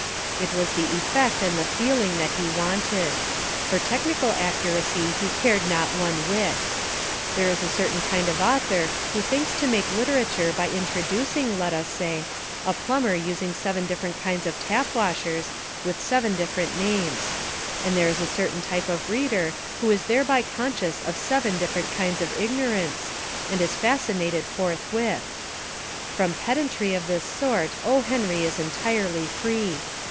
It was the effect and the feel ing that he wanted. For technical accuracy he cared not one whit. There is a certain kind of author who thinks to make literature by in troducing, let us say, a plumber using seven different kinds of tap washers with seven dif ferent names; and there is a certain type of reader who is thereby conscious of seven differ ent kinds of ignorance, and is fascinated forth with. From pedantry of this sort O. Henry is entirely free.